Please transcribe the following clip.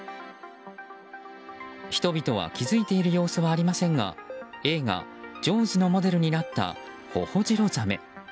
人々は気づいている様子はありませんが映画「ジョーズ」のモデルになったホホジロザメ。